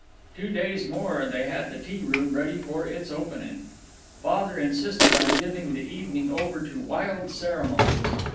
Two days more, and they had the tea room ready for its opening. Father insisted on giving the evening over to wild ceremonies.